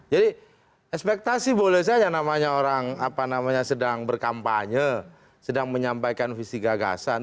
jadi ekspektasi boleh saja orang sedang berkampanye sedang menyampaikan visi gagasan